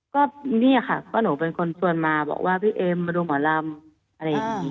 ก็นี่ค่ะเพราะหนูเป็นคนชวนมาบอกว่าพี่เอ็มมาดูหมอลำอะไรอย่างนี้